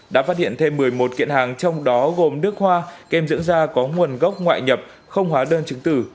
đã phát hiện thêm một mươi một kiện hàng trong đó gồm nước hoa kem dưỡng da có nguồn gốc ngoại nhập không hóa đơn chứng tử